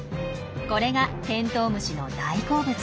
これがテントウムシの大好物。